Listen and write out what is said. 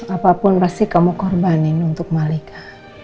apapun pasti kamu korbanin untuk malika